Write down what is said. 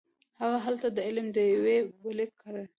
هغه هلته د علم ډیوې بلې کړې.